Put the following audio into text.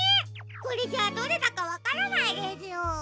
これじゃあどれだかわからないですよ。